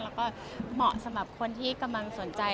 แล้วก็เหมาะสำหรับคนที่กำลังสนใจ